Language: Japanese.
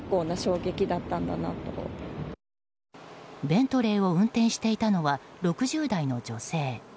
ベントレーを運転していたのは６０代の女性。